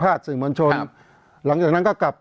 เพราะฉะนั้นประชาธิปไตยเนี่ยคือการยอมรับความเห็นที่แตกต่าง